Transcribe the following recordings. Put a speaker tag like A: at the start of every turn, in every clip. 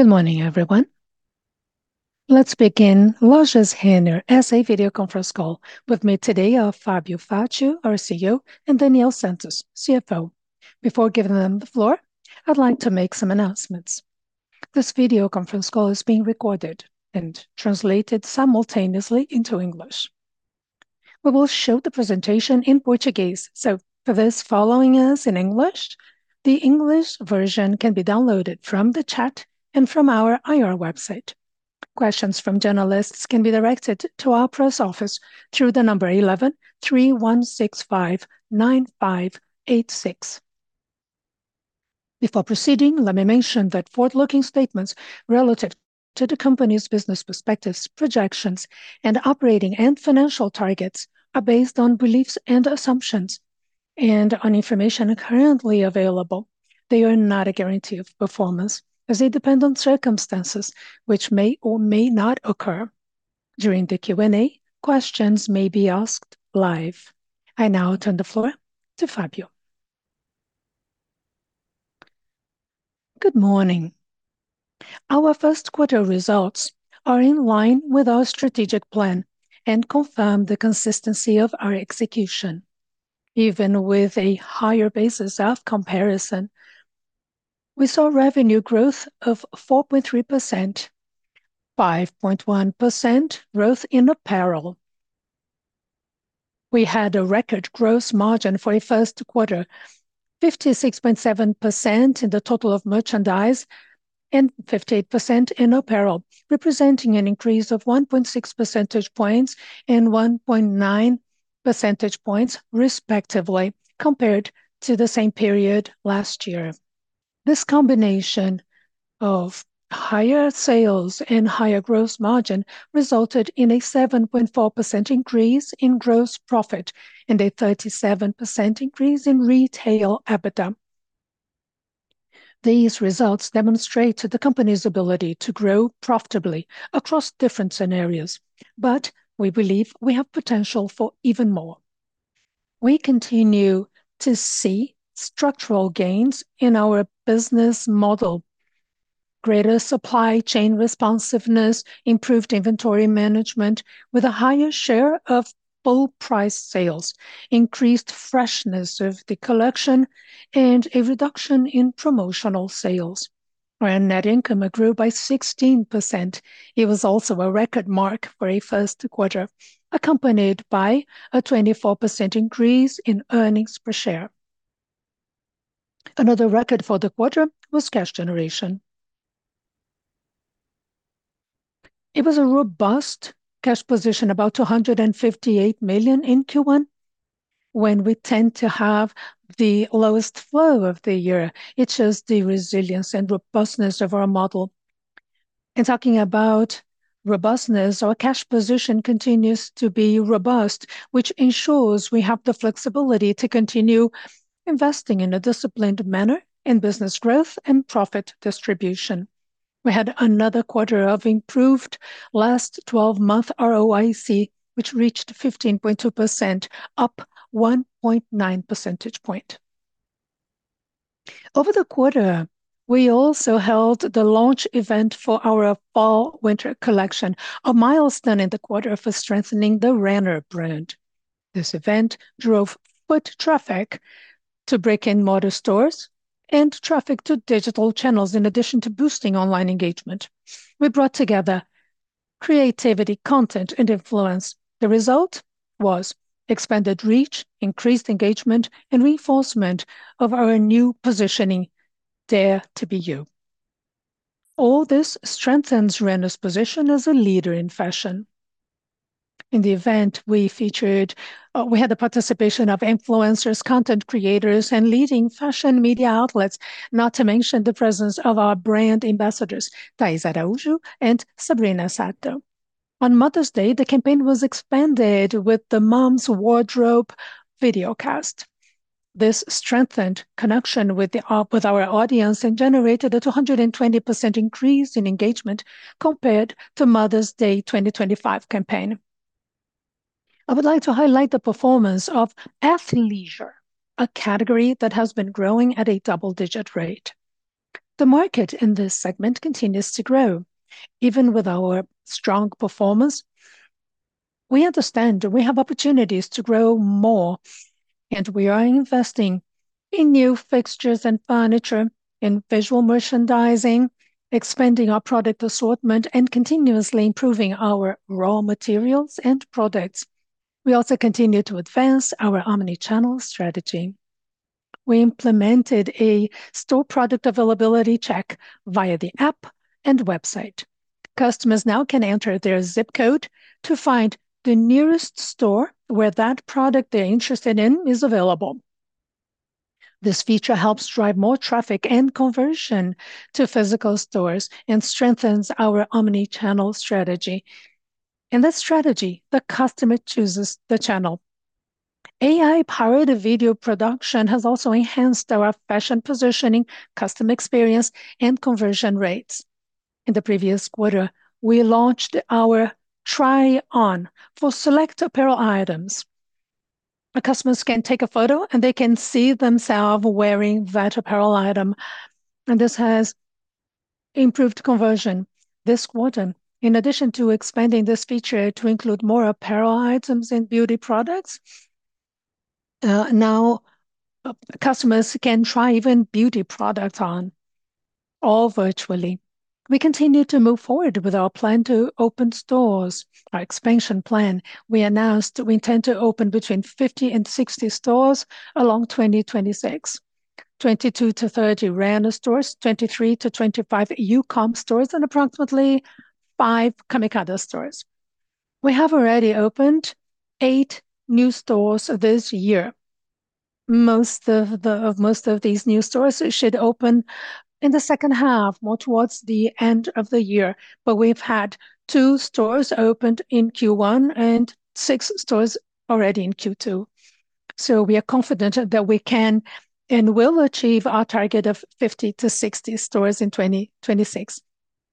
A: Good morning, everyone. Let's begin Lojas Renner S.A. video conference call. With me today are Fabio Faccio, our CEO, and Daniel Santos, CFO. Before giving them the floor, I'd like to make some announcements. This video conference call is being recorded and translated simultaneously into English. We will show the presentation in Portuguese, so for those following us in English, the English version can be downloaded from the chat and from our IR website. Questions from journalists can be directed to our press office through the number 11 3165 9586. Before proceeding, let me mention that forward-looking statements relative to the company's business perspectives, projections, and operating and financial targets are based on beliefs and assumptions and on information currently available. They are not a guarantee of performance, as they depend on circumstances which may or may not occur. During the Q&A, questions may be asked live. I now turn the floor to Fabio.
B: Good morning. Our first quarter results are in line with our strategic plan and confirm the consistency of our execution. Even with a higher basis of comparison, we saw revenue growth of 4.3%, 5.1% growth in apparel. We had a record gross margin for a first quarter, 56.7% in the total of merchandise and 58% in apparel, representing an increase of 1.6 percentage points and 1.9 percentage points respectively, compared to the same period last year. This combination of higher sales and higher gross margin resulted in a 7.4% increase in gross profit and a 37% increase in retail EBITDA. These results demonstrated the company's ability to grow profitably across different scenarios. We believe we have potential for even more. We continue to see structural gains in our business model. Greater supply chain responsiveness, improved inventory management with a higher share of full price sales, increased freshness of the collection, and a reduction in promotional sales. Our net income grew by 16%. It was also a record mark for a first quarter, accompanied by a 24% increase in earnings per share. Another record for the quarter was cash generation. It was a robust cash position, about 258 million in Q1, when we tend to have the lowest flow of the year. It shows the resilience and robustness of our model. In talking about robustness, our cash position continues to be robust, which ensures we have the flexibility to continue investing in a disciplined manner in business growth and profit distribution. We had another quarter of improved last twelve month ROIC, which reached 15.2%, up 1.9 percentage point. Over the quarter, we also held the launch event for our fall winter collection, a milestone in the quarter for strengthening the Renner brand. This event drove foot traffic to brick-and-mortar stores and traffic to digital channels, in addition to boosting online engagement. We brought together creativity, content, and influence. The result was expanded reach, increased engagement, and reinforcement of our new positioning, Dare to Be You. All this strengthens Renner's position as a leader in fashion. In the event, we featured, we had the participation of influencers, content creators, and leading fashion media outlets, not to mention the presence of our brand ambassadors, Taís Araujo and Sabrina Sato. On Mother's Day, the campaign was expanded with the Mom's Wardrobe videocast. This strengthened connection with our audience and generated a 220% increase in engagement compared to Mother's Day 2025 campaign. I would like to highlight the performance of athleisure, a category that has been growing at a double-digit rate. The market in this segment continues to grow. Even with our strong performance, we understand that we have opportunities to grow more, and we are investing in new fixtures and furniture, in visual merchandising, expanding our product assortment, and continuously improving our raw materials and products. We also continue to advance our omni-channel strategy. We implemented a store product availability check via the app and website. Customers now can enter their zip code to find the nearest store where that product they're interested in is available. This feature helps drive more traffic and conversion to physical stores and strengthens our omni-channel strategy. In this strategy, the customer chooses the channel. AI-powered video production has also enhanced our fashion positioning, customer experience, and conversion rates. In the previous quarter, we launched our Try On for select apparel items. Our customers can take a photo, and they can see themselves wearing that apparel item, and this has improved conversion this quarter. In addition to expanding this feature to include more apparel items and beauty products, now, customers can try even beauty products on, all virtually. We continue to move forward with our plan to open stores. Our expansion plan, we announced we intend to open between 50 and 60 stores along 2026. 22 to 30 Renner stores, 23 to 25 Youcom stores, and approximately five Camicado stores. We have already opened eight new stores this year. Most of these new stores should open in the second half, more towards the end of the year. We've had two stores opened in Q1 and six stores already in Q2, so we are confident that we can and will achieve our target of 50 to 60 stores in 2026.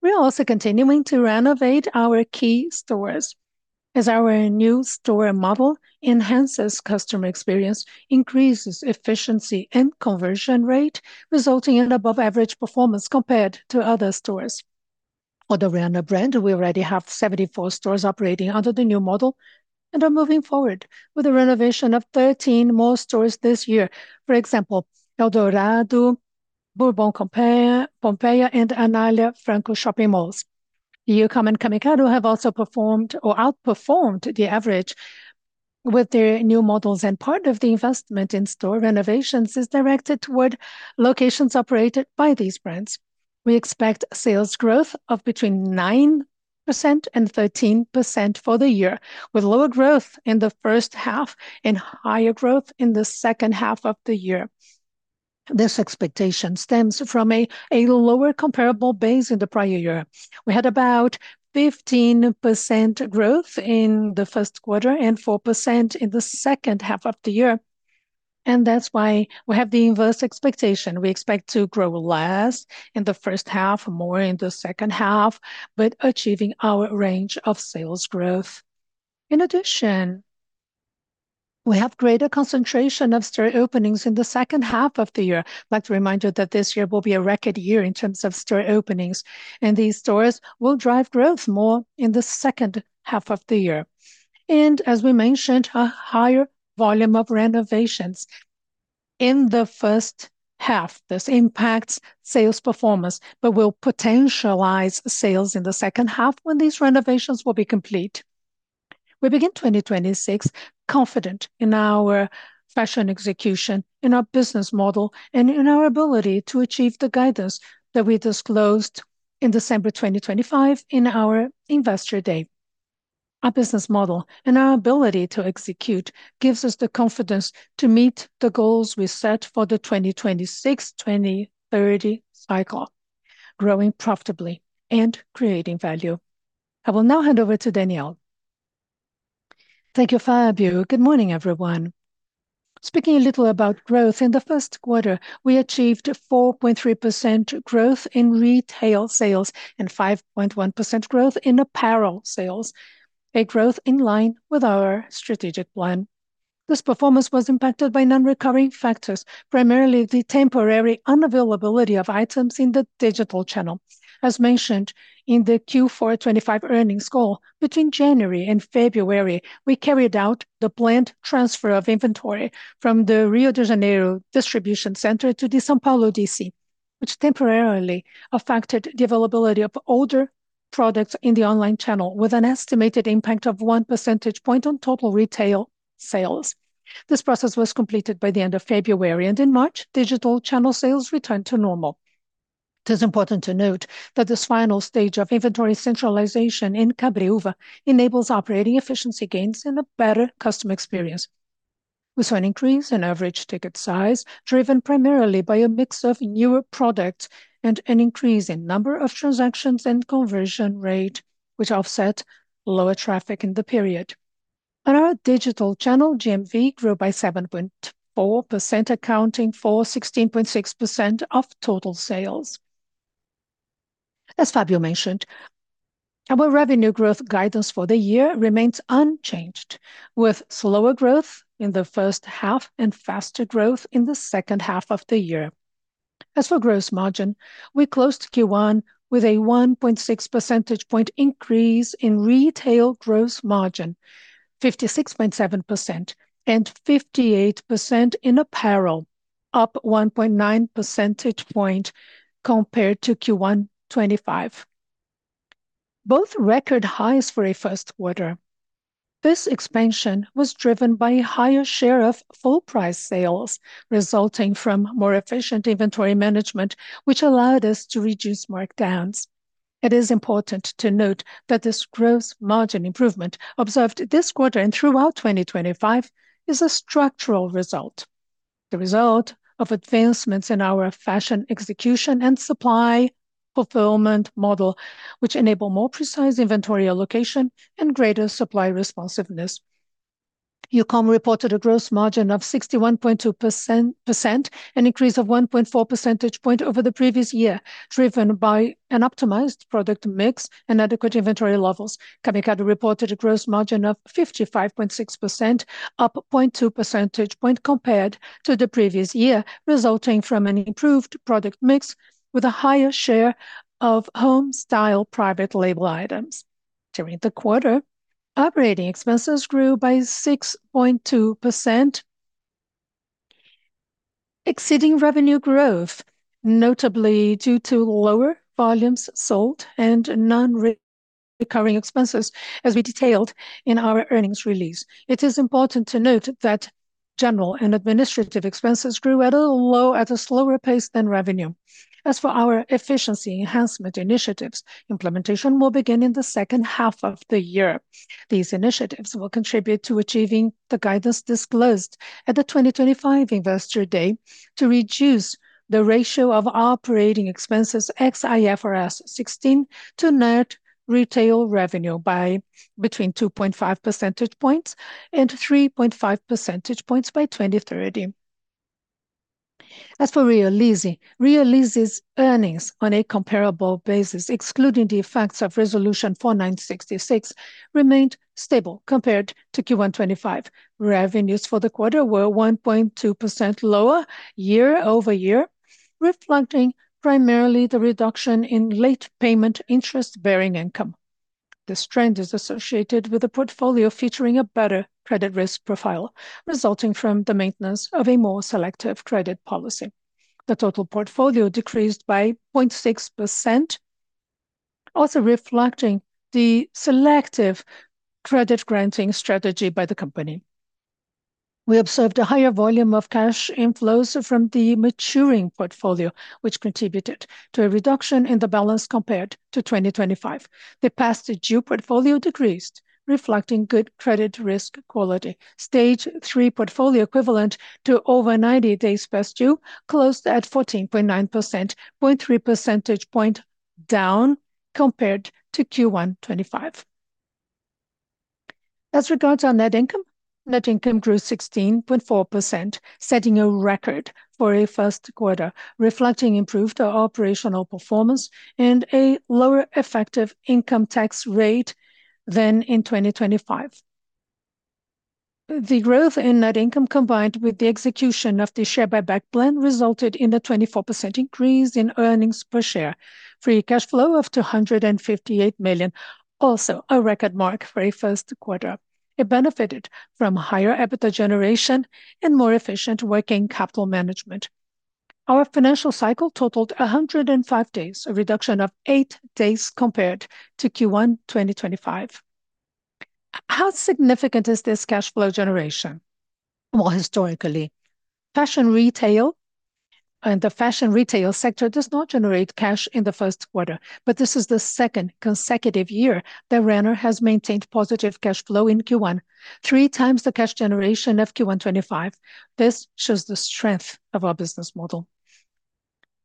B: We are also continuing to renovate our key stores, as our new store model enhances customer experience, increases efficiency and conversion rate, resulting in above average performance compared to other stores. For the Renner brand, we already have 74 stores operating under the new model, and are moving forward with the renovation of 13 more stores this year. For example, Eldorado, Bourbon Shopping Pompeia, and Anália Franco shopping malls. Youcom and Camicado have also performed or outperformed the average with their new models, and part of the investment in store renovations is directed toward locations operated by these brands. We expect sales growth of between 9% and 13% for the year, with lower growth in the first half and higher growth in the second half of the year. This expectation stems from a lower comparable base in the prior year. We had about 15% growth in the first quarter and 4% in the second half of the year, that's why we have the inverse expectation. We expect to grow less in the first half, more in the second half, but achieving our range of sales growth. In addition, we have greater concentration of store openings in the second half of the year. I'd like to remind you that this year will be a record year in terms of store openings, and these stores will drive growth more in the second half of the year. As we mentioned, a higher volume of renovations in the first half. This impacts sales performance, but will potentialize sales in the second half when these renovations will be complete. We begin 2026 confident in our fashion execution, in our business model, and in our ability to achieve the guidance that we disclosed in December 2025 in our Investor Day. Our business model and our ability to execute gives us the confidence to meet the goals we set for the 2026, 2030 cycle, growing profitably and creating value. I will now hand over to Daniel.
C: Thank you, Fabio. Good morning, everyone. Speaking a little about growth, in the first quarter, we achieved 4.3% growth in retail sales and 5.1% growth in apparel sales, a growth in line with our strategic plan. This performance was impacted by non-recurring factors, primarily the temporary unavailability of items in the digital channel. As mentioned in the Q4 2025 earnings call, between January and February, we carried out the planned transfer of inventory from the Rio de Janeiro distribution center to the São Paulo D.C., which temporarily affected the availability of older products in the online channel, with an estimated impact of 1 percentage point on total retail sales. This process was completed by the end of February, and in March, digital channel sales returned to normal. It is important to note that this final stage of inventory centralization in Cabreúva enables operating efficiency gains and a better customer experience. We saw an increase in average ticket size, driven primarily by a mix of newer products and an increase in number of transactions and conversion rate, which offset lower traffic in the period. On our digital channel, GMV grew by 7.4%, accounting for 16.6% of total sales. As Fabio mentioned, our revenue growth guidance for the year remains unchanged, with slower growth in the first half and faster growth in the second half of the year. As for gross margin, we closed Q1 with a 1.6 percentage point increase in retail gross margin, 56.7%, and 58% in apparel, up 1.9 percentage point compared to Q1 2025. Both record highs for a first quarter. This expansion was driven by a higher share of full price sales resulting from more efficient inventory management, which allowed us to reduce markdowns. It is important to note that this gross margin improvement observed this quarter and throughout 2025 is a structural result, the result of advancements in our fashion execution and supply fulfillment model, which enable more precise inventory allocation and greater supply responsiveness. Youcom reported a gross margin of 61.2%, an increase of 1.4 percentage point over the previous year, driven by an optimized product mix and adequate inventory levels. Camicado reported a gross margin of 55.6%, up 0.2 percentage point compared to the previous year, resulting from an improved product mix with a higher share of home-style private label items. During the quarter, operating expenses grew by 6.2%, exceeding revenue growth, notably due to lower volumes sold and non-recurring expenses, as we detailed in our earnings release. It is important to note that general and administrative expenses grew at a slower pace than revenue. As for our efficiency enhancement initiatives, implementation will begin in the second half of the year. These initiatives will contribute to achieving the guidance disclosed at the 2025 investor day to reduce the ratio of operating expenses Ex-IFRS 16 to net retail revenue by between 2.5 percentage points and 3.5 percentage points by 2030. As for Realize's earnings on a comparable basis, excluding the effects of Resolution 4966, remained stable compared to Q1 2025. Revenues for the quarter were 1.2% lower year-over-year, reflecting primarily the reduction in late payment interest-bearing income. This trend is associated with a portfolio featuring a better credit risk profile, resulting from the maintenance of a more selective credit policy. The total portfolio decreased by 0.6%, also reflecting the selective credit granting strategy by the company. We observed a higher volume of cash inflows from the maturing portfolio, which contributed to a reduction in the balance compared to 2025. The past due portfolio decreased, reflecting good credit risk quality. Stage 3 portfolio equivalent to over 90 days past due closed at 14.9%, 0.3 percentage point down compared to Q1 2025. As regards our net income, net income grew 16.4%, setting a record for a first quarter, reflecting improved operational performance and a lower effective income tax rate than in 2025. The growth in net income, combined with the execution of the share buyback plan, resulted in a 24% increase in earnings per share. Free cash flow of 258 million, also a record mark for a first quarter. It benefited from higher EBITDA generation and more efficient working capital management. Our financial cycle totaled 105 days, a reduction of 8 days compared to Q1 2025. How significant is this cash flow generation? Historically, fashion retail and the fashion retail sector does not generate cash in the 1st quarter. This is the 2nd consecutive year that Renner has maintained positive cash flow in Q1, 3x the cash generation of Q1 2025. This shows the strength of our business model.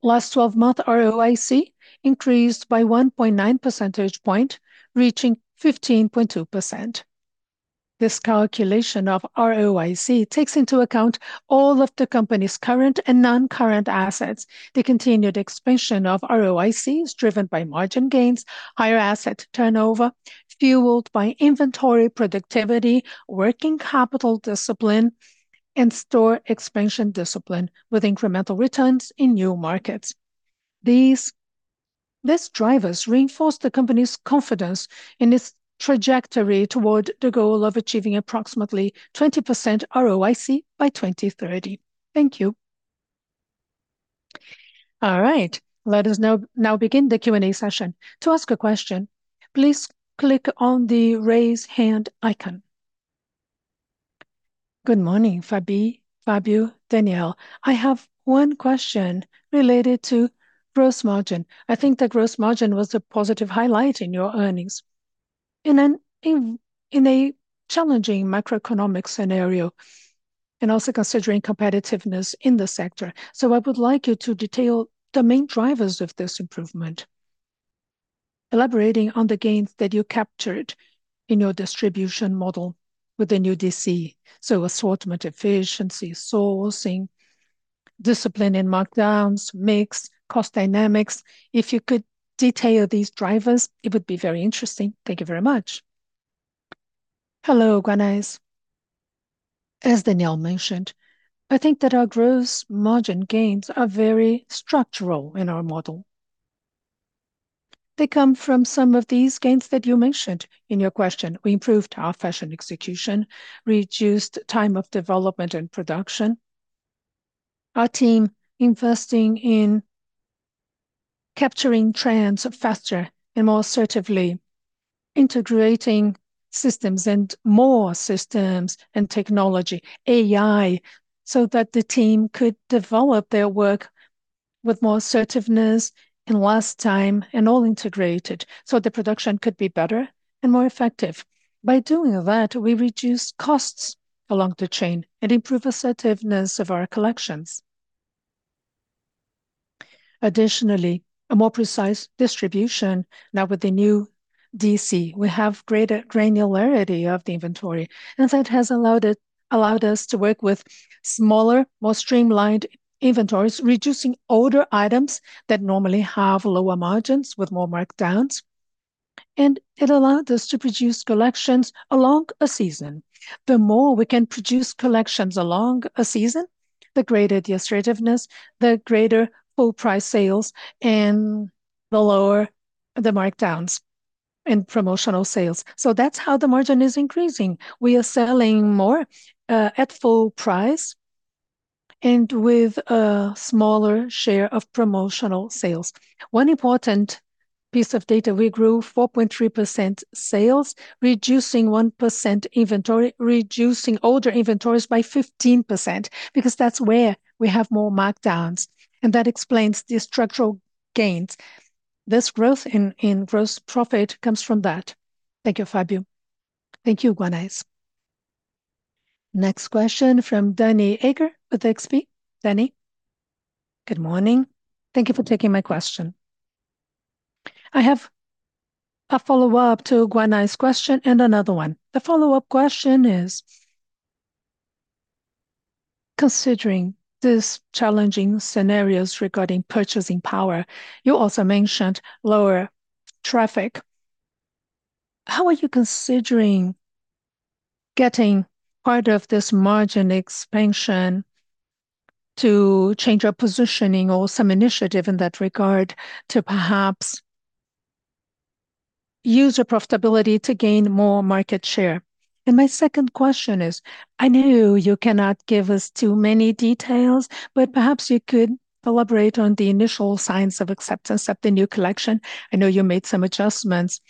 C: Last 12 month ROIC increased by 1.9 percentage point, reaching 15.2%. This calculation of ROIC takes into account all of the company's current and non-current assets. The continued expansion of ROIC is driven by margin gains, higher asset turnover, fueled by inventory productivity, working capital discipline, and store expansion discipline with incremental returns in new markets. These drivers reinforce the company's confidence in its trajectory toward the goal of achieving approximately 20% ROIC by 2030. Thank you.
D: All right. Let us now begin the Q&A session. To ask a question, please click on the Raise Hand icon.
E: Good morning, Fabi, Fabio, Daniel. I have one question related to gross margin. I think the gross margin was a positive highlight in your earnings in a challenging macroeconomic scenario and also considering competitiveness in the sector. I would like you to detail the main drivers of this improvement, elaborating on the gains that you captured in your distribution model with the new DC, assortment efficiency, sourcing, discipline in markdowns, mix, cost dynamics. If you could detail these drivers, it would be very interesting. Thank you very much.
B: Hello, Guanais. As Daniel Santos mentioned, I think that our gross margin gains are very structural in our model. They come from some of these gains that you mentioned in your question. We improved our fashion execution, reduced time of development and production. Our team investing in capturing trends faster and more assertively, integrating systems and more systems and technology, AI, so that the team could develop their work with more assertiveness and less time and all integrated, so the production could be better and more effective. By doing that, we reduce costs along the chain and improve assertiveness of our collections. Additionally, a more precise distribution now with the new DC. We have greater granularity of the inventory, and that has allowed us to work with smaller, more streamlined inventories, reducing older items that normally have lower margins with more markdowns, and it allowed us to produce collections along a season. The more we can produce collections along a season, the greater the assertiveness, the greater full price sales and the lower the markdowns in promotional sales. That's how the margin is increasing. We are selling more at full price, and with a smaller share of promotional sales. One important piece of data, we grew 4.3% sales, reducing 1% inventory, reducing older inventories by 15%, because that's where we have more markdowns, and that explains the structural gains. This growth in gross profit comes from that.
E: Thank you, Fabio.
B: Thank you, Guanais.
D: Next question from Danni Eiger with XP. Danni?
F: Good morning. Thank you for taking my question. I have a follow-up to Guanais' question and another one. The follow-up question is, considering these challenging scenarios regarding purchasing power, you also mentioned lower traffic. How are you considering getting part of this margin expansion to change your positioning or some initiative in that regard to perhaps use your profitability to gain more market share? My second question is, I know you cannot give us too many details, but perhaps you could elaborate on the initial signs of acceptance of the new collection. I know you made some adjustments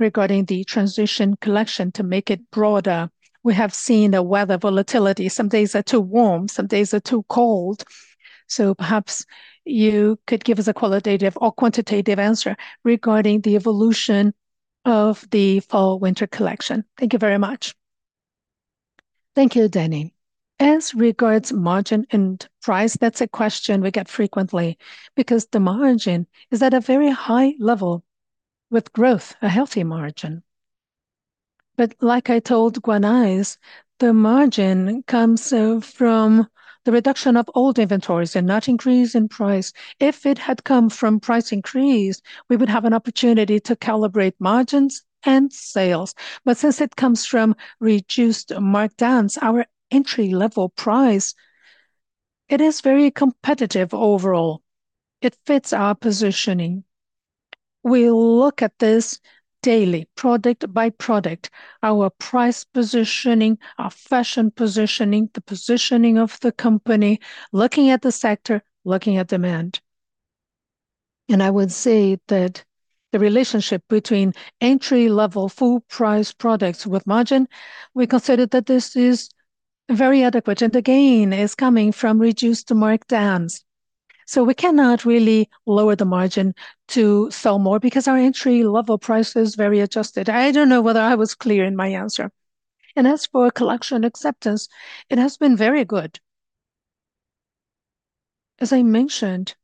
F: regarding the transition collection to make it broader. We have seen the weather volatility. Some days are too warm, some days are too cold. Perhaps you could give us a qualitative or quantitative answer regarding the evolution of the fall/winter collection. Thank you very much.
B: Thank you, Danni. As regards margin and price, that's a question we get frequently because the margin is at a very high level with growth, a healthy margin. Like I told Guanais, the margin comes from the reduction of old inventories and not increase in price. If it had come from price increase, we would have an opportunity to calibrate margins and sales. Since it comes from reduced markdowns, our entry-level price, it is very competitive overall. It fits our positioning. We look at this daily, product by product, our price positioning, our fashion positioning, the positioning of the company, looking at the sector, looking at demand. I would say that the relationship between entry-level full price products with margin, we consider that this is very adequate, and the gain is coming from reduced markdowns. We cannot really lower the margin to sell more because our entry-level price is very adjusted. I don't know whether I was clear in my answer. As for collection acceptance, it has been very good. As I mentioned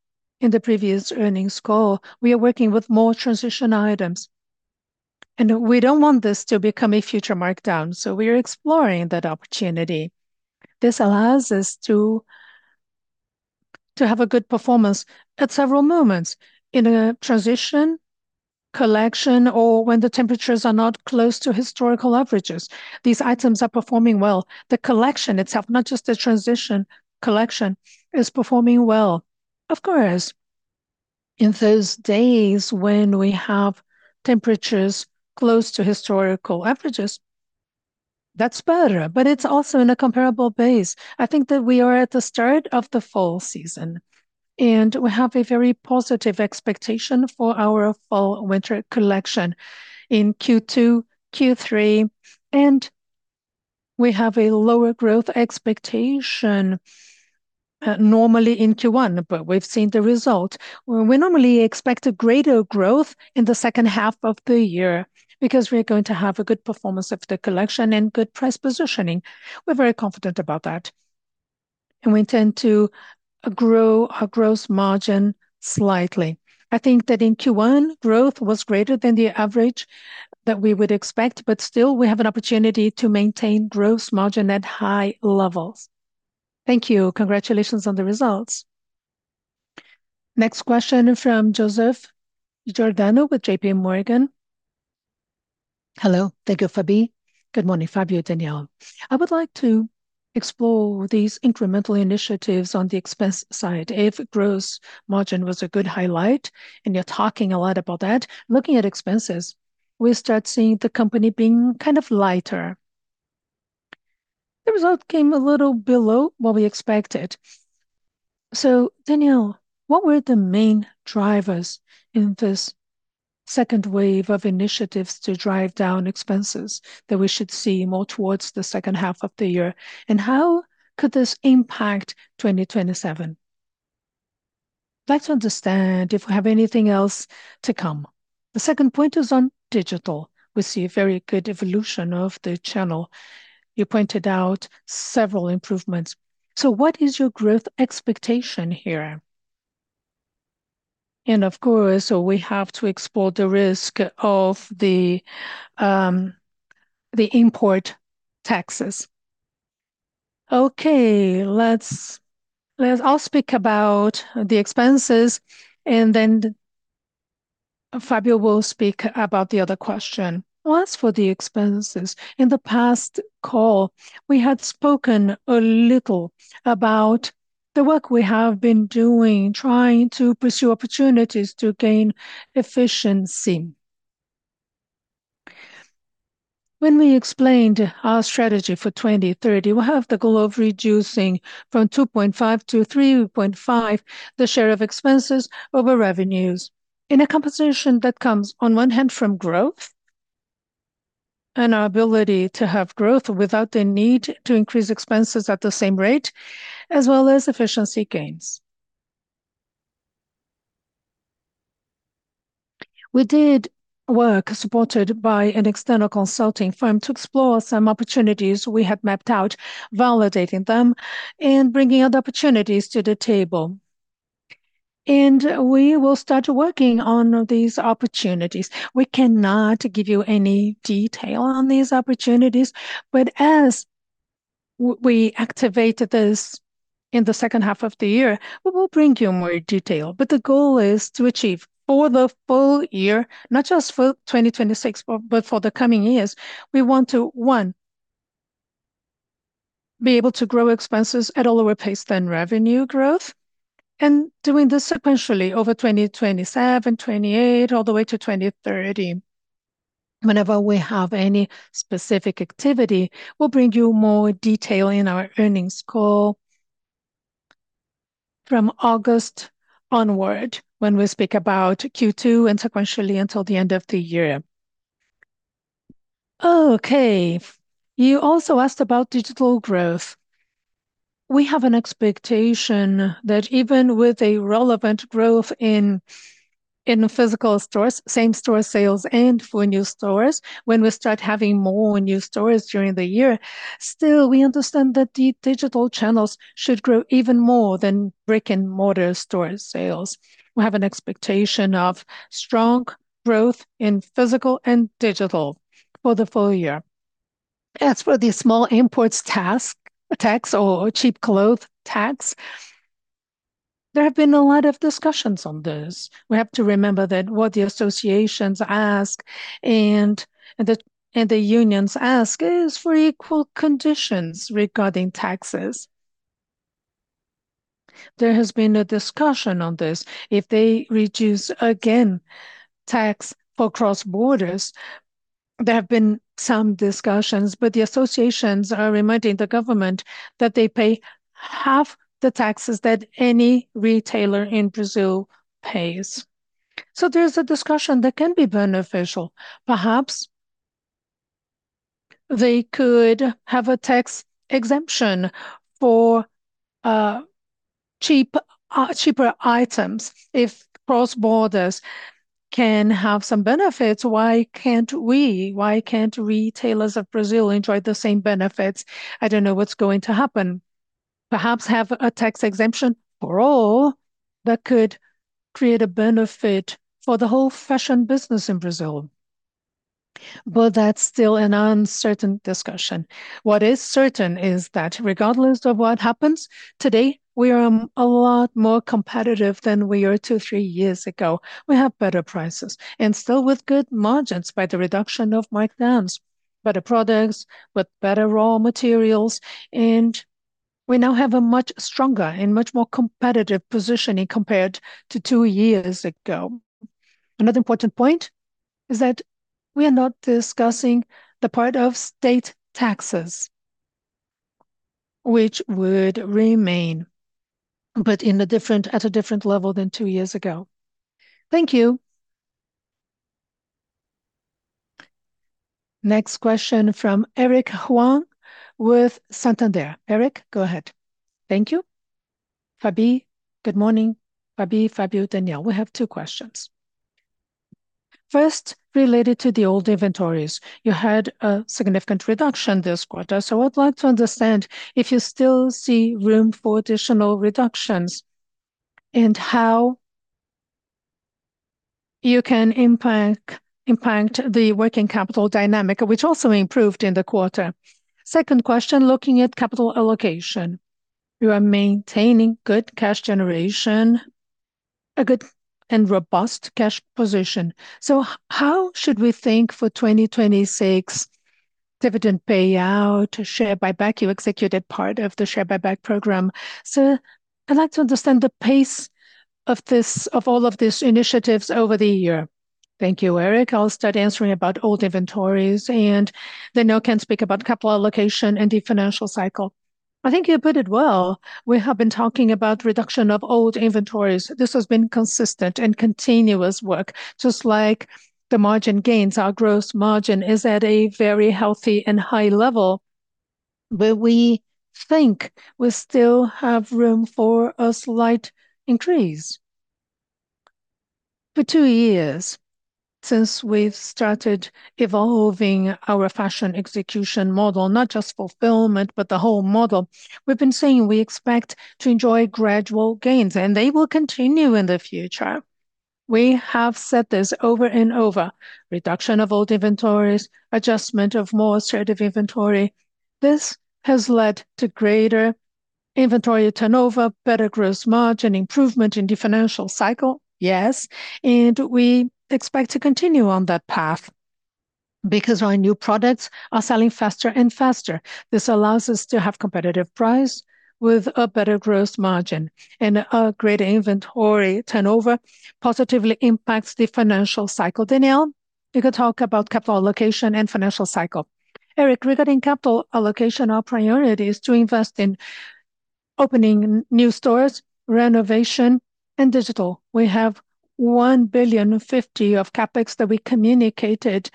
B: in the previous earnings call, we are working with more transition items, and we don't want this to become a future markdown, so we are exploring that opportunity. This allows us to have a good performance at several moments. In a transition collection or when the temperatures are not close to historical averages, these items are performing well. The collection itself, not just the transition collection, is performing well. In those days when we have temperatures close to historical averages, that's better, but it's also in a comparable base. I think that we are at the start of the fall season. We have a very positive expectation for our fall/winter collection in Q2/Q3. We have a lower growth expectation normally in Q1. We've seen the result. We normally expect a greater growth in the second half of the year because we are going to have a good performance of the collection and good price positioning. We're very confident about that. We intend to grow our gross margin slightly. I think that in Q1, growth was greater than the average that we would expect, but still we have an opportunity to maintain gross margin at high levels.
F: Thank you. Congratulations on the results.
D: Next question from Joseph Giordano with JPMorgan.
G: Hello. Thank you, Fabi. Good morning, Fabio, Daniel. I would like to explore these incremental initiatives on the expense side. If gross margin was a good highlight, and you're talking a lot about that, looking at expenses, we start seeing the company being kind of lighter. The result came a little below what we expected. Daniel, what were the main drivers in this second wave of initiatives to drive down expenses that we should see more towards the second half of the year? How could this impact 2027? Let's understand if we have anything else to come. The second point is on digital. We see a very good evolution of the channel. You pointed out several improvements. What is your growth expectation here?
C: Of course, we have to explore the risk of the import taxes. I'll speak about the expenses, then Fabio will speak about the other question. Well, as for the expenses, in the past call, we had spoken a little about the work we have been doing trying to pursue opportunities to gain efficiency. When we explained our strategy for 2030, we have the goal of reducing from 2.5 to 3.5 the share of expenses over revenues in a composition that comes on one hand from growth and our ability to have growth without the need to increase expenses at the same rate, as well as efficiency gains. We did work supported by an external consulting firm to explore some opportunities we had mapped out, validating them, and bringing other opportunities to the table, and we will start working on these opportunities. We cannot give you any detail on these opportunities, but as we activate this in the second half of the year, we will bring you more detail. The goal is to achieve for the full year, not just for 2026 but for the coming years, we want to, one, be able to grow expenses at a lower pace than revenue growth, and doing this sequentially over 2027/2028, all the way to 2030. Whenever we have any specific activity, we'll bring you more detail in our earnings call from August onward when we speak about Q2 and sequentially until the end of the year.
B: Okay, you also asked about digital growth. We have an expectation that even with a relevant growth in physical stores, same-store sales and for new stores, when we start having more new stores during the year, still we understand that the digital channels should grow even more than brick-and-mortar store sales. We have an expectation of strong growth in physical and digital for the full year. As for the small imports tax or cheap cloth tax, there have been a lot of discussions on this. We have to remember that what the associations ask and the unions ask is for equal conditions regarding taxes. There has been a discussion on this. If they reduce again tax for cross-border, there have been some discussions, but the associations are reminding the government that they pay half the taxes that any retailer in Brazil pays. There's a discussion that can be beneficial. Perhaps they could have a tax exemption for cheap, cheaper items. If cross borders can have some benefits, why can't we? Why can't retailers of Brazil enjoy the same benefits? I don't know what's going to happen. Perhaps have a tax exemption for all that could create a benefit for the whole fashion business in Brazil. That's still an uncertain discussion. What is certain is that regardless of what happens, today we are a lot more competitive than we were two, three years ago. We have better prices, and still with good margins by the reduction of markdowns, better products with better raw materials, and we now have a much stronger and much more competitive positioning compared to two years ago. Another important point is that we are not discussing the part of state taxes, which would remain, but at a different level than two years ago.
G: Thank you.
D: Next question from Eric Huang with Santander. Eric, go ahead.
H: Thank you. Fabi, good morning. Fabi, Fabio, Daniel, we have two questions. First, related to the old inventories. You had a significant reduction this quarter, I'd like to understand if you still see room for additional reductions and how you can impact the working capital dynamic, which also improved in the quarter. Second question, looking at capital allocation. You are maintaining good cash generation, a good and robust cash position. How should we think for 2026 dividend payout, share buyback? You executed part of the share buyback program. I'd like to understand the pace of this, of all of these initiatives over the year.
B: Thank you, Eric. I'll start answering about old inventories, now can speak about capital allocation and the financial cycle. I think you put it well. We have been talking about reduction of old inventories. This has been consistent and continuous work. Just like the margin gains, our gross margin is at a very healthy and high level. We think we still have room for a slight increase. For two years, since we've started evolving our fashion execution model, not just fulfillment, but the whole model, we've been saying we expect to enjoy gradual gains, they will continue in the future. We have said this over and over. Reduction of old inventories, adjustment of more assertive inventory. This has led to greater inventory turnover, better gross margin, improvement in the financial cycle, yes. We expect to continue on that path because our new products are selling faster and faster. This allows us to have competitive price with a better gross margin, and a greater inventory turnover positively impacts the financial cycle. Daniel, you can talk about capital allocation and financial cycle.
C: Eric, regarding capital allocation, our priority is to invest in opening new stores, renovation, and digital. We have 1,000,000,050 of CapEx that we communicated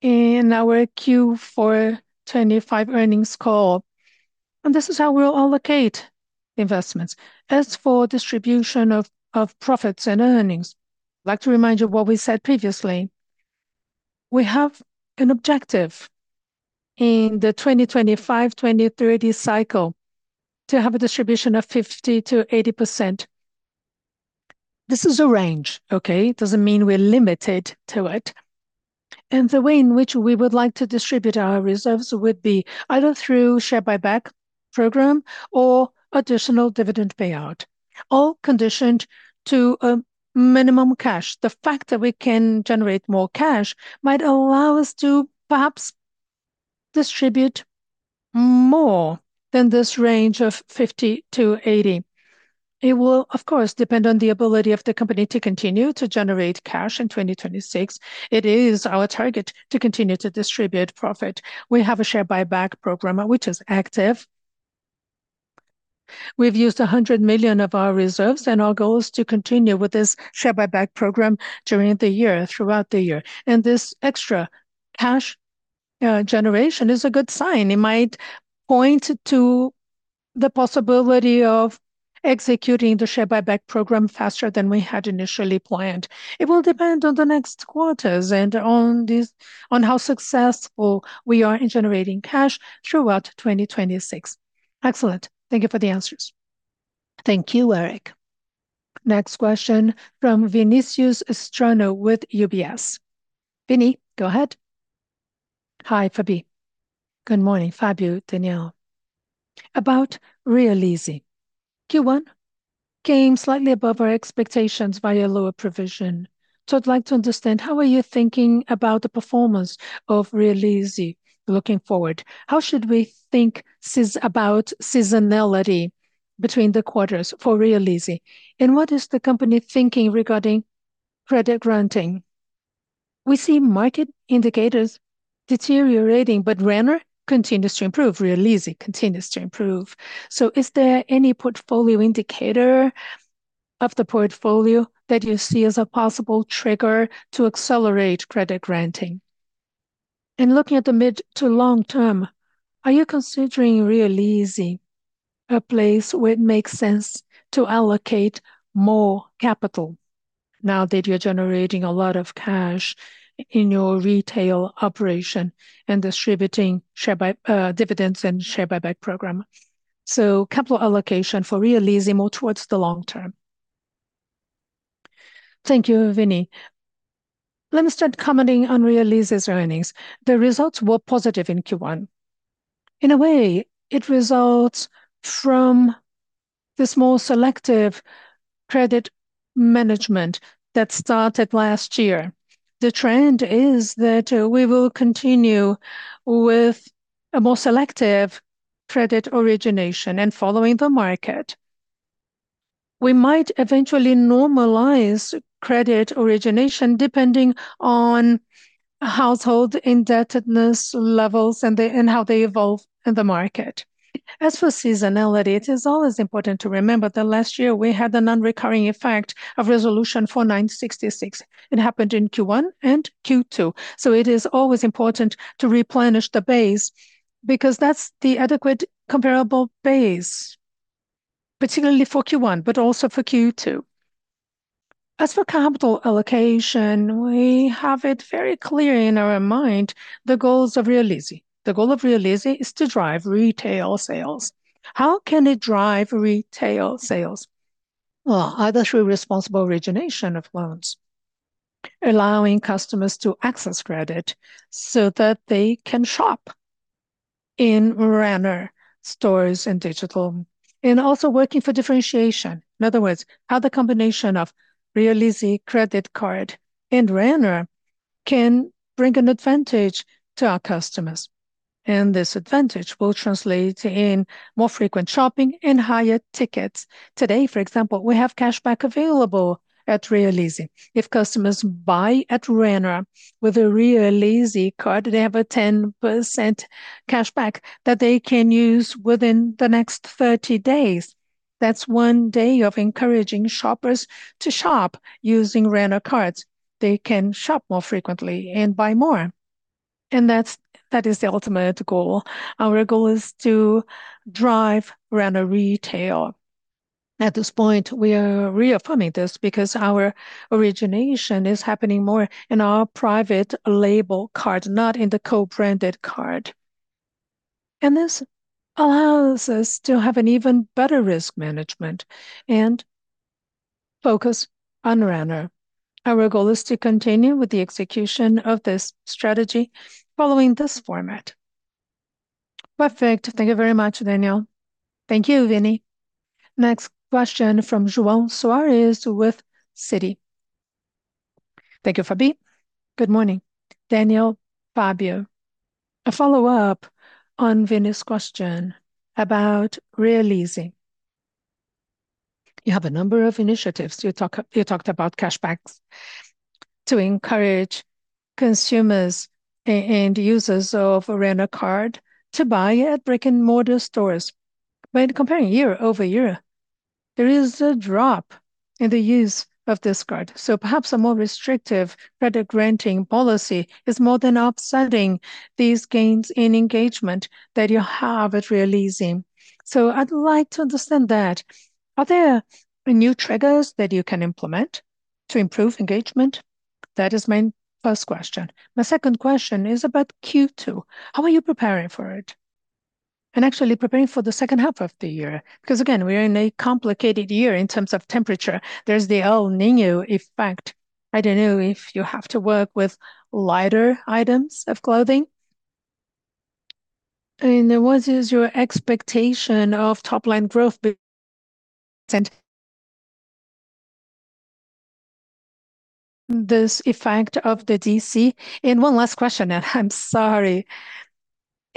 C: in our Q4 2025 earnings call. This is how we'll allocate investments. As for distribution of profits and earnings, I'd like to remind you of what we said previously. We have an objective in the 2025-2030 cycle to have a distribution of 50%-80%. This is a range, okay? It doesn't mean we're limited to it. The way in which we would like to distribute our reserves would be either through share buyback program or additional dividend payout, all conditioned to a minimum cash. The fact that we can generate more cash might allow us to perhaps distribute more than this range of 50%-80%. It will, of course, depend on the ability of the company to continue to generate cash in 2026. It is our target to continue to distribute profit. We have a share buyback program, which is active. We've used 100 million of our reserves, and our goal is to continue with this share buyback program during the year, throughout the year. This extra cash generation is a good sign. It might point to the possibility of executing the share buyback program faster than we had initially planned. It will depend on the next quarters and on this, on how successful we are in generating cash throughout 2026.
H: Excellent. Thank you for the answers.
C: Thank you, Eric Huang.
D: Next question from Vinicius Strano with UBS. Vini, go ahead.
I: Hi, Fabi. Good morning, Fabio, Daniel. About Realize. Q1 came slightly above our expectations via lower provision. I'd like to understand, how are you thinking about the performance of Realize looking forward? How should we think about seasonality between the quarters for Realize? What is the company thinking regarding credit granting? We see market indicators deteriorating. Renner continues to improve, Realize continues to improve. Is there any portfolio indicator of the portfolio that you see as a possible trigger to accelerate credit granting? In looking at the mid to long term, are you considering Realize a place where it makes sense to allocate more capital now that you're generating a lot of cash in your retail operation and distributing dividends and share buyback program? Capital allocation for Realize more towards the long term.
C: Thank you, Vini. Let me start commenting on Realize's earnings. The results were positive in Q1. In a way, it results from this more selective credit management that started last year. The trend is that we will continue with a more selective credit origination and following the market. We might eventually normalize credit origination depending on household indebtedness levels and how they evolve in the market. As for seasonality, it is always important to remember that last year we had the non-recurring effect of Resolution 4966. It happened in Q1 and Q2. It is always important to replenish the base because that's the adequate comparable base, particularly for Q1, but also for Q2. As for capital allocation, we have it very clear in our mind the goals of Realize. The goal of Realize is to drive retail sales. How can it drive retail sales? Well, either through responsible origination of loans, allowing customers to access credit so that they can shop in Renner stores and digital. Also working for differentiation. In other words, how the combination of Realize credit card and Renner can bring an advantage to our customers. This advantage will translate in more frequent shopping and higher tickets. Today, for example, we have cashback available at Realize. If customers buy at Renner with a Realize card, they have a 10% cashback that they can use within the next 30 days. That's one day of encouraging shoppers to shop using Renner cards. They can shop more frequently and buy more, that is the ultimate goal. Our goal is to drive Renner retail. At this point, we are reaffirming this because our origination is happening more in our private label card, not in the co-branded card. This allows us to have an even better risk management and focus on Renner. Our goal is to continue with the execution of this strategy following this format.
I: Perfect. Thank you very much, Daniel.
C: Thank you, Vini.
D: Next question from João Soares with Citi.
J: Thank you, Fabi. Good morning, Daniel, Fabio. A follow-up on Vini's question about Realize. You have a number of initiatives. You talked about cashbacks to encourage consumers and users of a Renner card to buy at brick-and-mortar stores. When comparing year-over-year, there is a drop in the use of this card, so perhaps a more restrictive credit granting policy is more than offsetting these gains in engagement that you have at Realize. I'd like to understand that. Are there new triggers that you can implement to improve engagement? That is main, first question. My second question is about Q2. How are you preparing for it, and actually preparing for the second half of the year? Because again, we are in a complicated year in terms of temperature. There's the El Niño effect. I don't know if you have to work with lighter items of clothing. Then what is your expectation of top line growth. This effect of the DC. One last question, I'm sorry.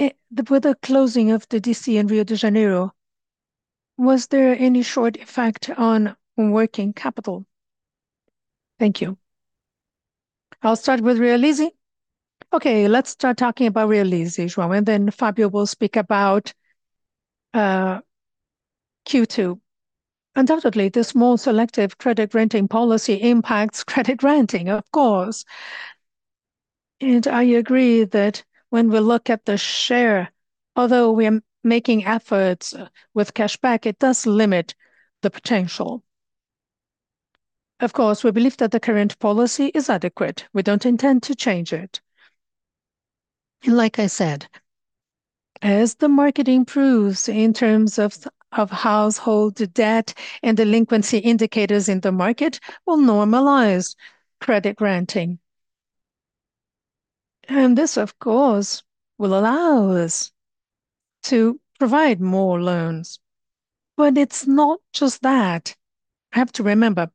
J: With the closing of the DC in Rio de Janeiro, was there any short effect on working capital? Thank you.
C: I'll start with Realize. Let's start talking about Realize, João, and then Fabio will speak about Q2. Undoubtedly, the small selective credit granting policy impacts credit granting, of course. I agree that when we look at the share, although we are making efforts with cashback, it does limit the potential. Of course, we believe that the current policy is adequate. We don't intend to change it. Like I said, as the market improves in terms of household debt and delinquency indicators in the market, we'll normalize credit granting. This, of course, will allow us to provide more loans. Well it's not just that. I have to remember,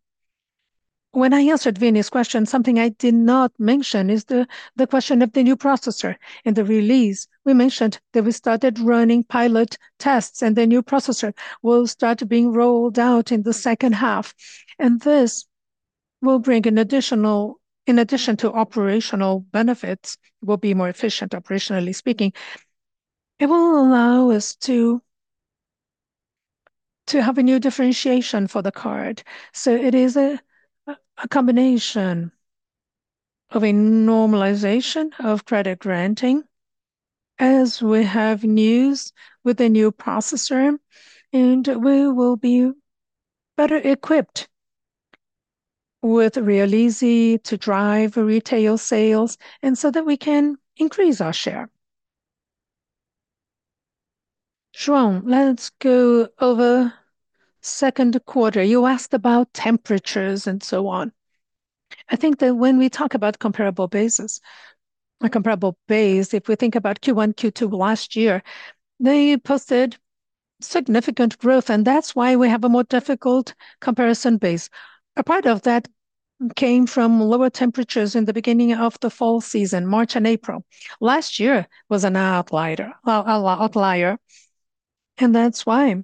C: when I answered Vini's question, something I did not mention is the question of the new processor in Realize. We mentioned that we started running pilot tests, and the new processor will start being rolled out in the second half, and this will bring In addition to operational benefits, it will be more efficient operationally speaking. It will allow us to have a new differentiation for the card. It is a combination of a normalization of credit granting as we have news with the new processor, and we will be better equipped with Realize to drive retail sales, and so that we can increase our share.
B: João, let's go over second quarter. You asked about temperatures and so on. I think that when we talk about comparable basis, a comparable base, if we think about Q1, Q2 last year, they posted significant growth, and that's why we have a more difficult comparison base. A part of that came from lower temperatures in the beginning of the fall season, March and April. Last year was an outlier. That's why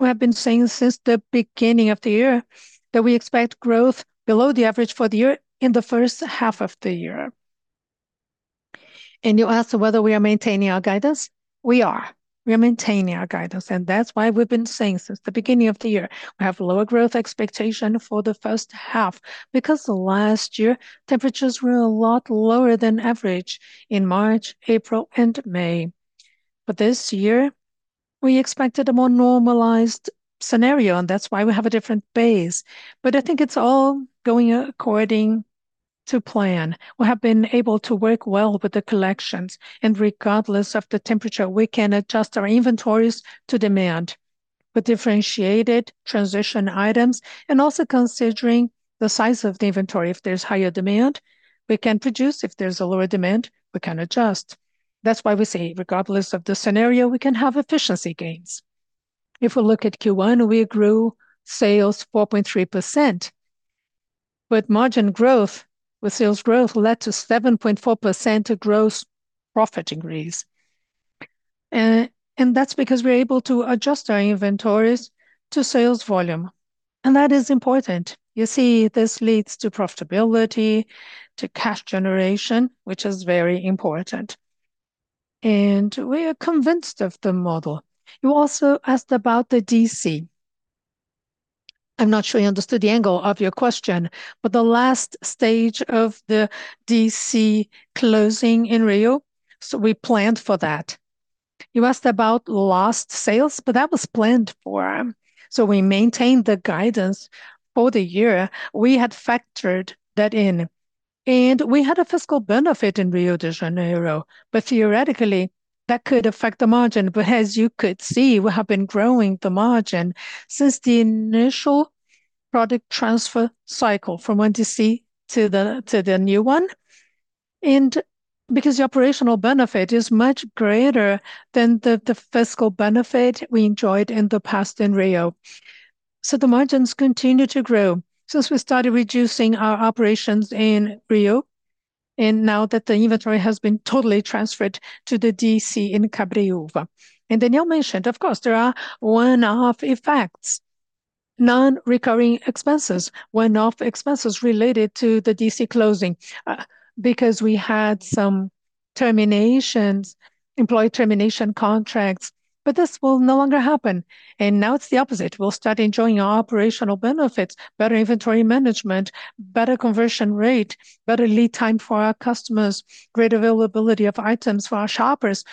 B: we have been saying since the beginning of the year that we expect growth below the average for the year in the first half of the year. You asked whether we are maintaining our guidance. We are. We are maintaining our guidance. That's why we've been saying since the beginning of the year. We have lower growth expectation for the first half because last year temperatures were a lot lower than average in March, April, and May. This year we expected a more normalized scenario, and that's why we have a different base. I think it's all going according to plan. We have been able to work well with the collections, regardless of the temperature, we can adjust our inventories to demand. We differentiated transition items and also considering the size of the inventory. If there's higher demand, we can produce. If there's a lower demand, we can adjust. That's why we say regardless of the scenario, we can have efficiency gains. If we look at Q1, we grew sales 4.3%, margin growth with sales growth led to 7.4% gross profit increase. That's because we're able to adjust our inventories to sales volume, and that is important. You see, this leads to profitability, to cash generation, which is very important. We are convinced of the model. You also asked about the DC. I'm not sure I understood the angle of your question, the last stage of the DC closing in Rio, we planned for that. You asked about lost sales, that was planned for, we maintained the guidance for the year. We had factored that in, we had a fiscal benefit in Rio de Janeiro, theoretically, that could affect the margin. As you could see, we have been growing the margin since the initial product transfer cycle from one DC to the new one. Because the operational benefit is much greater than the fiscal benefit we enjoyed in the past in Rio. The margins continue to grow since we started reducing our operations in Rio, now that the inventory has been totally transferred to the DC in Cabreuva. Daniel mentioned, of course, there are one-off effects, non-recurring expenses, one-off expenses related to the DC closing, because we had some terminations, employee termination contracts, but this will no longer happen. Now it's the opposite. We will start enjoying our operational benefits, better inventory management, better conversion rate, better lead time for our customers, great availability of items for our shoppers,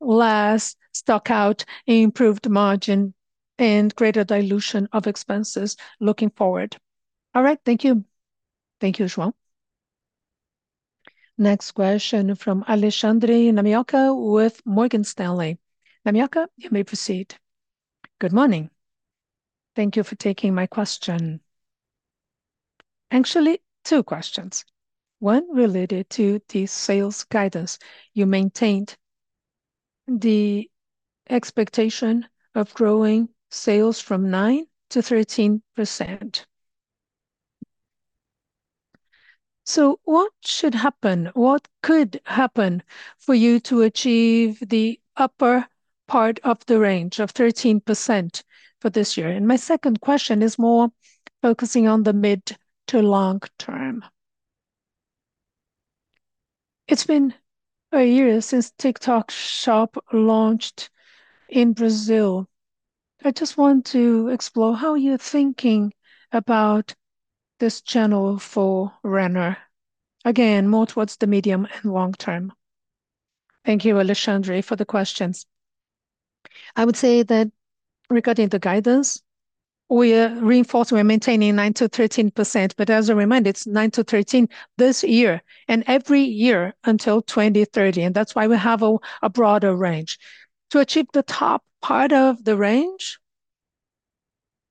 B: less stock out, improved margin, and greater dilution of expenses looking forward.
J: All right. Thank you.
B: Thank you, João.
D: Next question from Alexandre Namioka with Morgan Stanley. Namioka, you may proceed.
K: Good morning. Thank you for taking my question. Actually, two questions. One related to the sales guidance. You maintained the expectation of growing sales from 9%-13%. What should happen, what could happen for you to achieve the upper part of the range of 13% for this year? My second question is more focusing on the mid to long term. It's been a year since TikTok Shop launched in Brazil. I just want to explore how you're thinking about this channel for Renner. Again, more towards the medium and long term.
B: Thank you, Alexandre, for the questions. I would say that regarding the guidance, we are reinforcing we're maintaining 9%-13%, but as a reminder, it's 9%-13% this year and every year until 2030, and that's why we have a broader range. To achieve the top part of the range,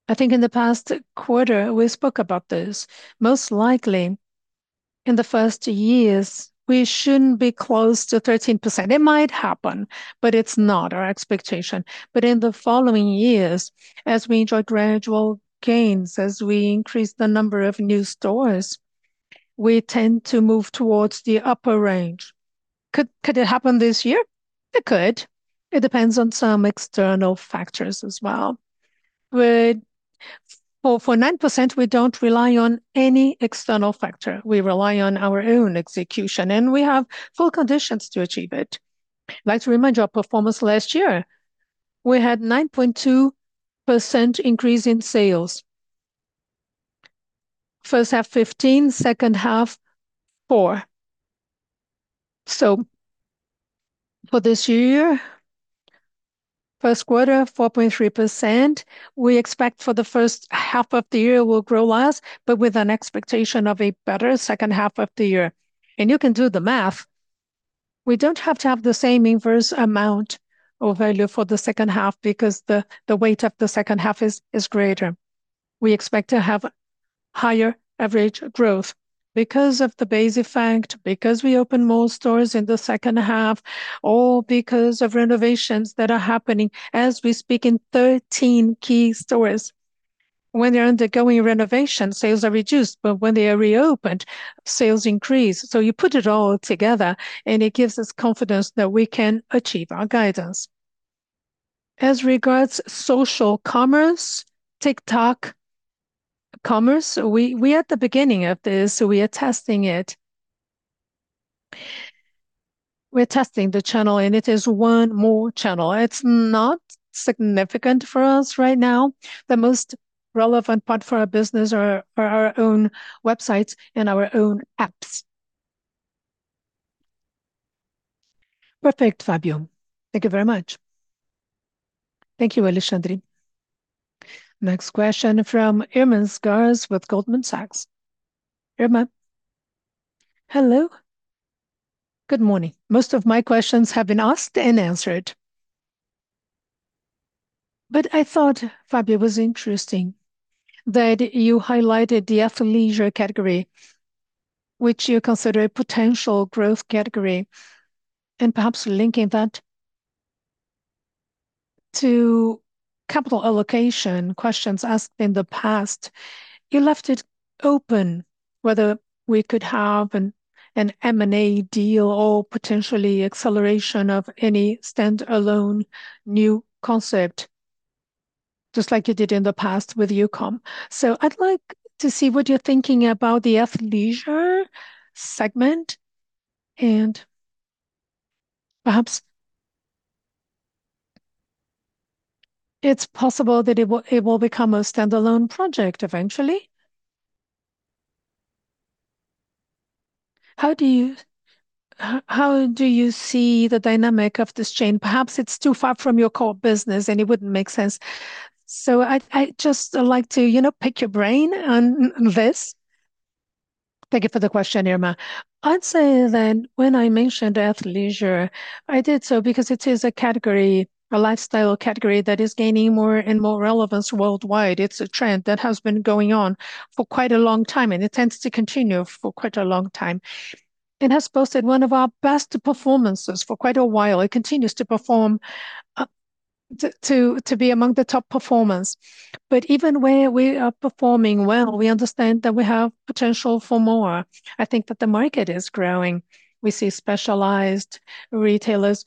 B: I think in the past quarter we spoke about this. Most likely, in the first years we shouldn't be close to 13%. It might happen, but it's not our expectation. In the following years, as we enjoy gradual gains, as we increase the number of new stores, we tend to move towards the upper range. Could it happen this year? It could. It depends on some external factors as well. For 9% we don't rely on any external factor. We rely on our own execution, and we have full conditions to achieve it. I'd like to remind our performance last year. We had 9.2% increase in sales. First half 15, second half four. For this year, first quarter 4.3%. We expect for the first half of the year will grow less, but with an expectation of a better second half of the year. You can do the math. We don't have to have the same inverse amount of value for the second half because the weight of the second half is greater. We expect to have higher average growth because of the base effect, because we open more stores in the second half, or because of renovations that are happening as we speak in 13 key stores. When they're undergoing renovation, sales are reduced, but when they are reopened, sales increase. You put it all together, and it gives us confidence that we can achieve our guidance. As regards social commerce, TikTok commerce, we are at the beginning of this, so we are testing it. We're testing the channel, and it is one more channel. It's not significant for us right now. The most relevant part for our business are our own websites and our own apps.
K: Perfect, Fabio.Thank you very much.
D: Thank you, Alexandre. Next question from Irma Sgarz with Goldman Sachs. Irma?
L: Hello. Good morning. Most of my questions have been asked and answered. I thought, Fabio, it was interesting that you highlighted the athleisure category, which you consider a potential growth category, and perhaps linking that to capital allocation questions asked in the past. You left it open whether we could have an M&A deal or potentially acceleration of any standalone new concept. Just like you did in the past with Youcom. I'd like to see what you're thinking about the athleisure segment, and perhaps it's possible that it will become a standalone project eventually. How do you see the dynamic of this chain? Perhaps it's too far from your core business, and it wouldn't make sense. I'd just like to, you know, pick your brain on this.
B: Thank you for the question, Irma. I'd say that when I mentioned athleisure, I did so because it is a category, a lifestyle category that is gaining more and more relevance worldwide. It's a trend that has been going on for quite a long time, and it tends to continue for quite a long time. It has posted one of our best performances for quite a while. It continues to perform to be among the top performers. Even where we are performing well, we understand that we have potential for more. I think that the market is growing. We see specialized retailers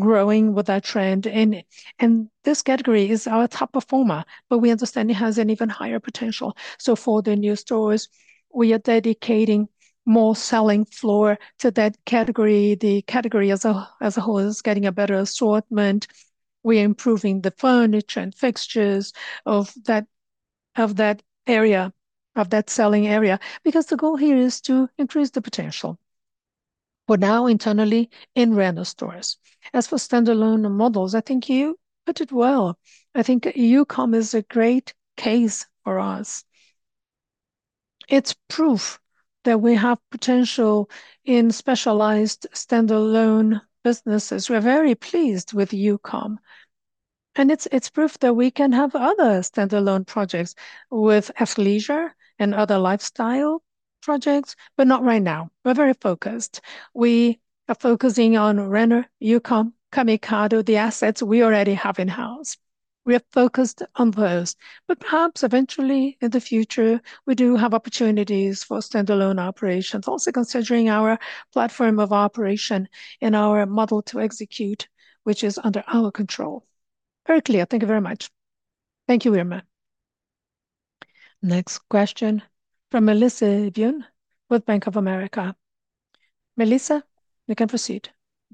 B: growing with that trend, and this category is our top performer, but we understand it has an even higher potential. For the new stores, we are dedicating more selling floor to that category. The category as a whole is getting a better assortment. We're improving the furniture and fixtures of that area, of that selling area because the goal here is to increase the potential. We're now internally in Renner stores. As for standalone models, I think you put it well. I think Youcom is a great case for us. It's proof that we have potential in specialized standalone businesses. We're very pleased with Youcom, and it's proof that we can have other standalone projects with athleisure and other lifestyle projects, but not right now. We're very focused. We are focusing on Renner, Youcom, Camicado, the assets we already have in-house. We are focused on those. Perhaps eventually in the future, we do have opportunities for standalone operations. Also considering our platform of operation and our model to execute, which is under our control.
L: Very clear. Thank you very much.
B: Thank you, Irma.
D: Next question from Melissa Byun with Bank of America. Melissa, you can proceed.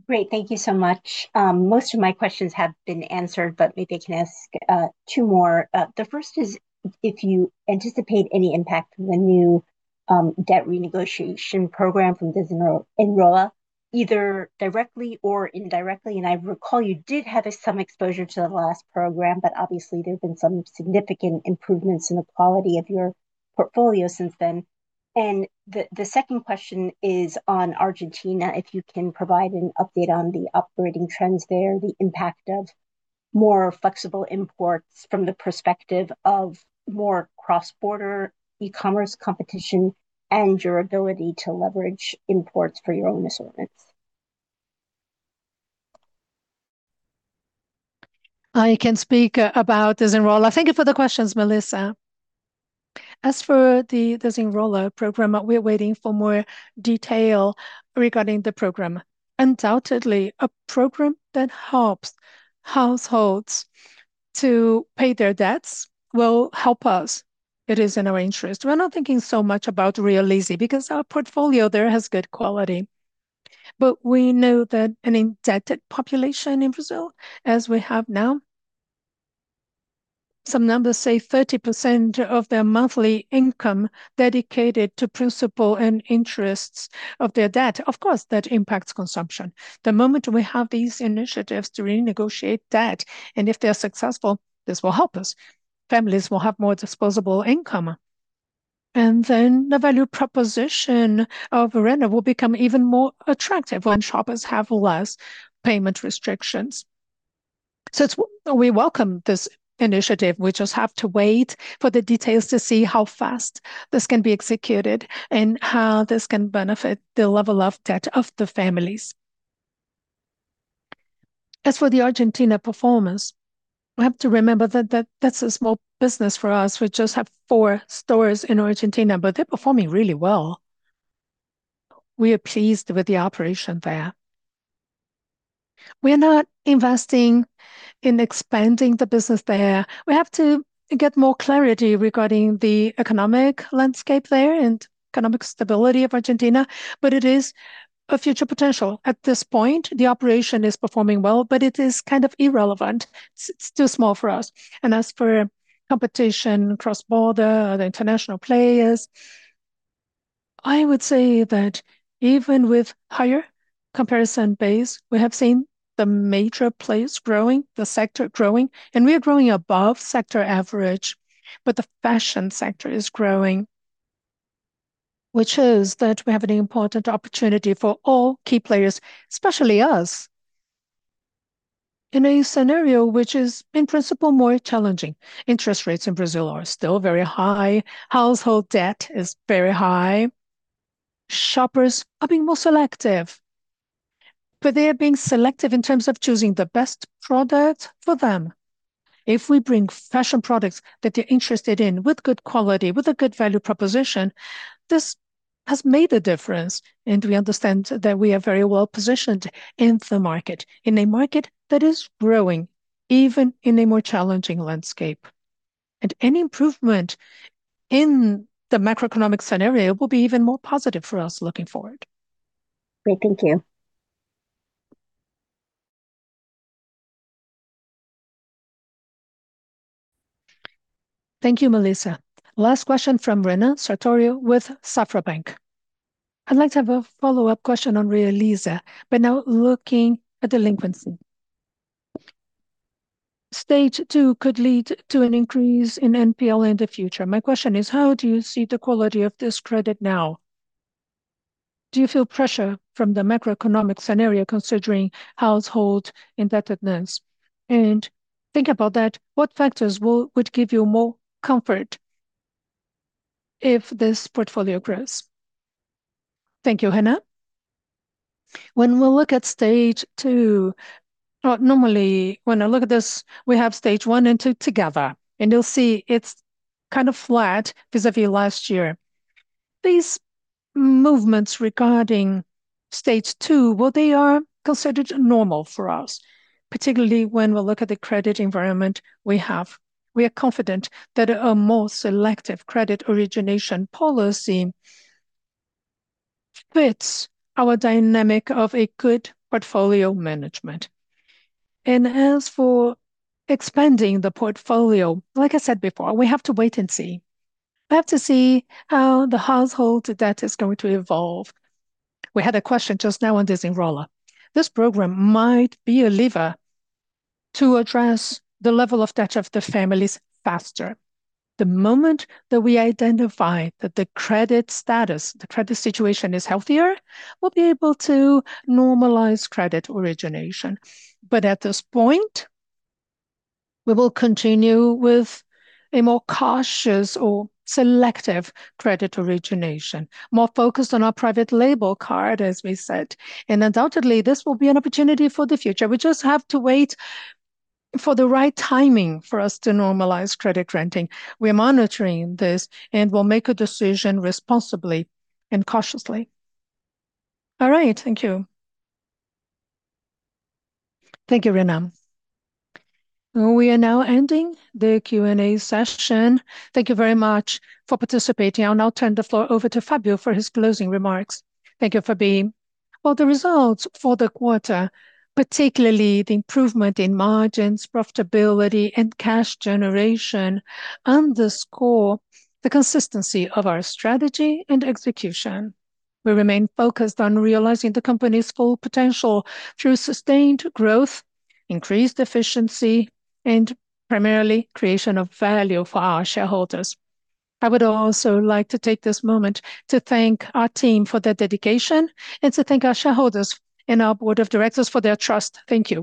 M: Great. Thank you so much. Most of my questions have been answered, but maybe I can ask two more. The first is if you anticipate any impact from the new debt renegotiation program from Desenrola, either directly or indirectly. I recall you did have some exposure to the last program, but obviously there have been some significant improvements in the quality of your portfolio since then. The second question is on Argentina, if you can provide an update on the operating trends there, the impact of more flexible imports from the perspective of more cross-border e-commerce competition and your ability to leverage imports for your own assortments.
B: I can speak about Desenrola. Thank you for the questions, Melissa. As for the Desenrola program, we're waiting for more detail regarding the program. Undoubtedly, a program that helps households to pay their debts will help us. It is in our interest. We're not thinking so much about Realize because our portfolio there has good quality. We know that an indebted population in Brazil, as we have now, some numbers say 30% of their monthly income dedicated to principal and interests of their debt. Of course, that impacts consumption. The moment we have these initiatives to renegotiate debt, and if they are successful, this will help us. Families will have more disposable income, the value proposition of Renner will become even more attractive when shoppers have less payment restrictions. We welcome this initiative. We just have to wait for the details to see how fast this can be executed and how this can benefit the level of debt of the families. As for the Argentina performance, we have to remember that's a small business for us. We just have four stores in Argentina, but they're performing really well. We are pleased with the operation there. We're not investing in expanding the business there. We have to get more clarity regarding the economic landscape there and economic stability of Argentina, but it is a future potential. At this point, the operation is performing well, but it is kind of irrelevant. It's, it's too small for us. As for competition cross-border, the international players, I would say that even with higher comparison base, we have seen the major players growing, the sector growing, and we are growing above sector average. The fashion sector is growing, which shows that we have an important opportunity for all key players, especially us, in a scenario which is, in principle, more challenging. Interest rates in Brazil are still very high. Household debt is very high. Shoppers are being more selective, but they are being selective in terms of choosing the best product for them. If we bring fashion products that they're interested in with good quality, with a good value proposition, this has made a difference, and we understand that we are very well-positioned in the market. In a market that is growing, even in a more challenging landscape. Any improvement in the macroeconomic scenario will be even more positive for us looking forward.
M: Great. Thank you.
B: Thank you, Melissa.
D: Last question from Renan Sartorio with Safra Bank.
N: I'd like to have a follow-up question on Realize. By now looking at delinquency. Stage 2 could lead to an increase in NPL in the future. My question is, how do you see the quality of this credit now? Do you feel pressure from the macroeconomic scenario considering household indebtedness? Think about that, what factors would give you more comfort if this portfolio grows?
C: Thank you, Renan. When we look at Stage 2, normally when I look at this, we have Stage 1 and 2 together, you'll see it's kind of flat vis-a-vis last year. These movements regarding Stage 2, well, they are considered normal for us, particularly when we look at the credit environment we have. We are confident that a more selective credit origination policy fits our dynamic of a good portfolio management. As for expanding the portfolio, like I said before, we have to wait and see. We have to see how the household debt is going to evolve. We had a question just now on Desenrola. This program might be a lever to address the level of debt of the families faster. The moment that we identify that the credit status, the credit situation is healthier, we'll be able to normalize credit origination. At this point, we will continue with a more cautious or selective credit origination. More focused on our private label card, as we said. Undoubtedly, this will be an opportunity for the future. We just have to wait for the right timing for us to normalize credit granting. We're monitoring this, and we'll make a decision responsibly and cautiously.
N: All right, thank you.
C: Thank you, Renan.
D: We are now ending the Q&A session. Thank you very much for participating. I'll now turn the floor over to Fabio for his closing remarks.
B: Thank you, Fabi. Well, the results for the quarter, particularly the improvement in margins, profitability, and cash generation underscore the consistency of our strategy and execution. We remain focused on realizing the company's full potential through sustained growth, increased efficiency, and primarily creation of value for our shareholders. I would also like to take this moment to thank our team for their dedication, and to thank our shareholders and our board of directors for their trust. Thank you.